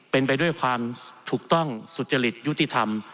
เป็นไปด้วยความถูกต้องสุจริตยุติธรรม